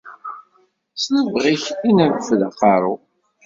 S lebɣi-k i nreffed aqerru.